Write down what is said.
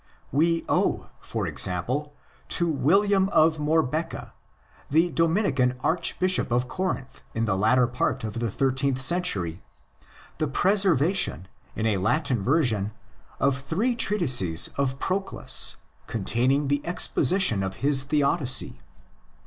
We owe, for example, to William of Morbeka, the Dominican Archbishop of Corinth in the latter part of the thirteenth century, the preservation, in a Latin version, of three treatises of Proclus containing the exposition of his theodicy.